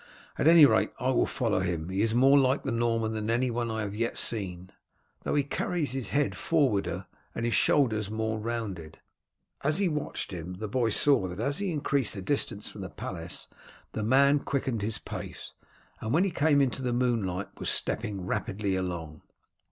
"At any rate I will follow him, he is more like the Norman than anyone I have yet seen, though he carries his head forwarder and his shoulders more rounded." As he watched him, the boy saw that as he increased the distance from the palace the man quickened his pace, and when he came into the moonlight was stepping rapidly along.